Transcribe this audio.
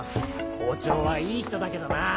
校長はいい人だけどなぁ。